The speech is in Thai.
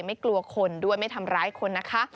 ไม่กลัวคนด้วยไม่ทำร้ายคนนะคะ